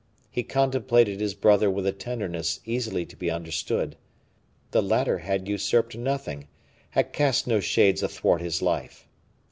He contemplated his brother with a tenderness easily to be understood. The latter had usurped nothing, had cast no shades athwart his life.